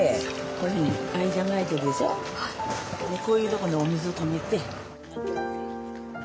こういうとこのお水を止めて。